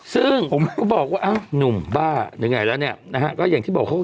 ซึ่งผมบอกว่านุ่มบ้ายังไงแล้วเนี่ยนะก็อย่างที่บอกเขา